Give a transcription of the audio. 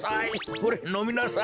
ほれのみなさい！